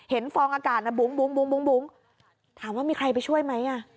เห็นฟองอากาศน่ะบุ้งบุ้งบุ้งบุ้งถามว่ามีใครไปช่วยไหมอ่ะ